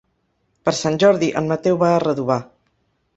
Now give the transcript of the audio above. Per Sant Jordi en Mateu va a Redovà.